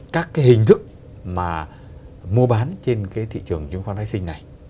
các cái hình thức mà mua bán trên cái thị trường chứng khoán phái sinh này